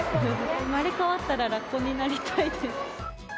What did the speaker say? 生まれ変わったらラッコになりたいです。